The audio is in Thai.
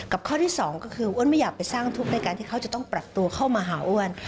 ข้อที่สองก็คืออ้วนไม่อยากไปสร้างทุกข์ในการที่เขาจะต้องปรับตัวเข้ามาหาอ้วน